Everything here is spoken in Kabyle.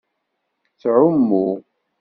Tettɛummu.